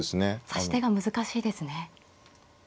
指し手が難しいですね。